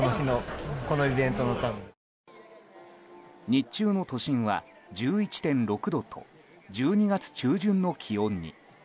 日中の都心は１１．６度と１２月中旬の気温に。